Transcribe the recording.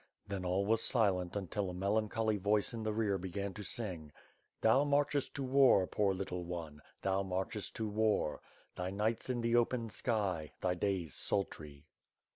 Then all was silent imtil a melancholy voice in the rear began sing: " Thou marchest to irar, poor Utile one Thou marchest to war ! Thy nights in the open sky, Thy days sultry."